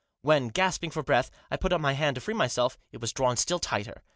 When, gasping for breath, I put up my hand to free myself, it was drawn still tighter.